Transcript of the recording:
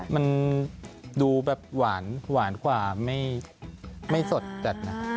มันดูแบบหวานกว่าไม่สดจัดนะ